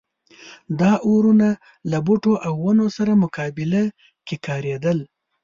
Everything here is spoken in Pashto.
دا اورونه له بوټو او ونو سره مقابله کې کارېدل.